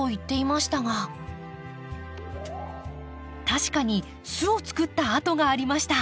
確かに巣を作った跡がありました。